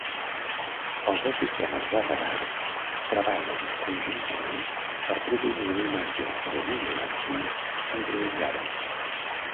Els dos sistemes de radar treballen conjuntament per produir una imatge de vigilància sincronitzada.